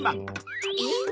えっ？